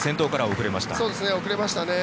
遅れましたね。